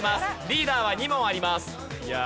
リーダーは２問あります。